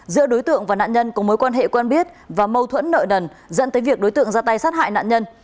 giữa đối tượng và nạn nhân có mối quan hệ quen biết và mâu thuẫn nợ nần dẫn tới việc đối tượng ra tay sát hại nạn nhân